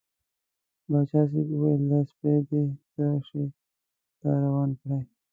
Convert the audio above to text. پاچا صاحب وویل دا سپی دې څه شي ته روان کړی.